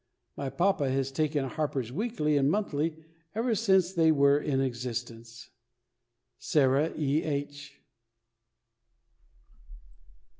My papa has taken HARPER'S WEEKLY and MONTHLY ever since they were in existence. SARAH E. H.